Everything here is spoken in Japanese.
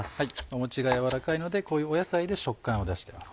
もちが軟らかいのでこういう野菜で食感を出してます。